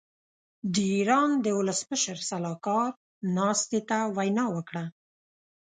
د ايران د ولسمشر سلاکار ناستې ته وینا وکړه.